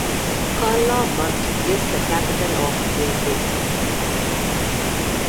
Karla must guess the capital of Brazil.